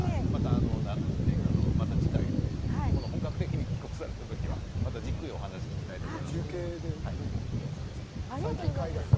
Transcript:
また次回、本格的に帰国された時にはじっくりとお話を聞きたいと思います。